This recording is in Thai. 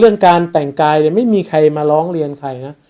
การแต่งกายเนี่ยไม่มีใครมาร้องเรียนใครฮะ